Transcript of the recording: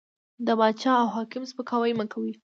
د باچا او حاکم سپکاوی مه کوئ!